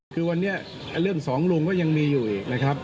คือวันนี้เรื่องสองลุงก็ยังมีอยู่อีกนะครับ